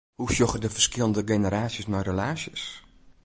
Hoe sjogge de ferskillende generaasjes nei relaasjes?